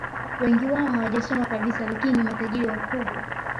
Wengi wao hawajasoma kabisa lakini ni matajiri wakubwa